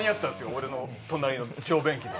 俺の隣の小便器に。